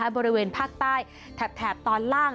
บริเวณภาคใต้แถบตอนล่าง